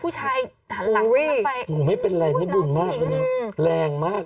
ผู้ชายหลังมาไฟโอ้โหไม่เป็นไรนี่บุญมากแรงมากเลย